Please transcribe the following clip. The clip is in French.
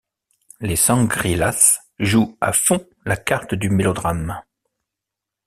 Les Shangri Las jouent à fond la carte du mélodrame.